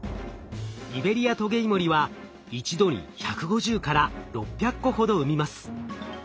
イベリアトゲイモリは一度に１５０６００個ほど産みます。